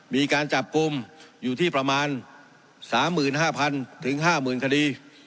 มีการจับกลุ่มอยู่ที่ประมาณ๓๕๐๐๐๕๐๐คดี